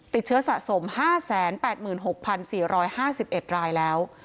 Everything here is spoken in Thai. ติดเชื้อสะสม๕๘๖๔๕๑รายแล้ว